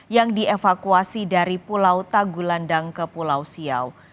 yang dievakuasi dari pulau tagulandang ke pulau siau